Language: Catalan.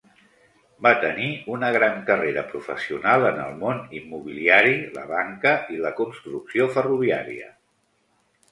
Va tenir una gran carrera professional en el món immobiliari, la banca i la construcció ferroviària.